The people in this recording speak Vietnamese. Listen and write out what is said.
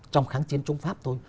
trong kháng chiến chống pháp thôi